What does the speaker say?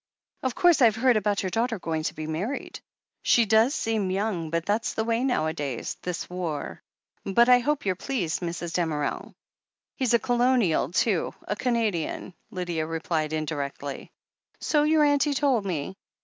"Of course, I've heard about your daughter going to be married. She does seem young, but that's the way nowadays. This war ! Bilt I hope you're pleased, Mrs. Damerel?" "He's a Colonial, too — d Canadian," Lydia replied indirectly. "So your auntie told me.